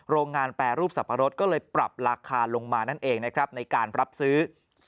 โรงงานแปรรูปสับปะรดก็เลยปรับราคาลงมานั่นเองนะครับในการรับซื้อ